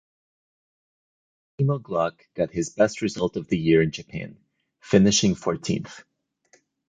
Timo Glock got his best result of the year in Japan, finishing fourteenth.